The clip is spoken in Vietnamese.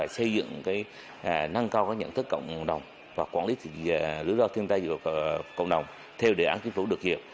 xây dựng năng cao nhận thức cộng đồng và quản lý lứa do thiên tài của cộng đồng theo đề án chính phủ được hiệp